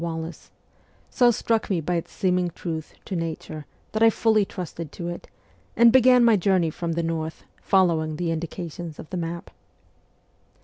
Wallace so struck me by its seeming truth to nature that I fully trusted to it, and SIJ3EEIA 249 began my journey from the north, following the indications of the map.